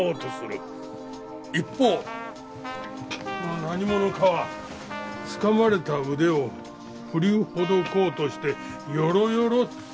一方その何者かはつかまれた腕をふりほどこうとしてよろよろっとなる。